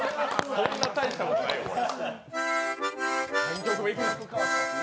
そんな大したことないよ、これ。